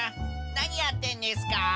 なにやってんですか？